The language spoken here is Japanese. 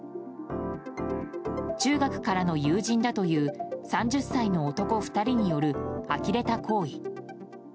中学からの友人だという３０歳の男２人によるあきれた行為。